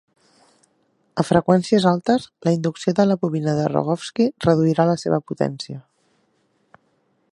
A freqüències altes, la inducció de la bobina de Rogowski reduirà la seva potència.